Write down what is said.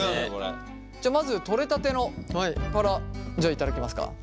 じゃまずとれたてのから頂きますか。